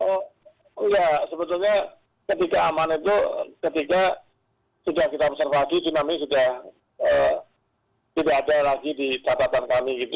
oh iya sebetulnya ketika aman itu ketika sudah kita pesan lagi tsunami sudah tidak ada lagi di tatapan kami gitu